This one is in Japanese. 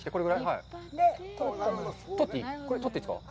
取っていいですか？